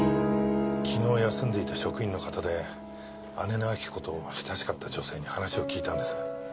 昨日休んでいた職員の方で姉の亜木子と親しかった女性に話を聞いたんです。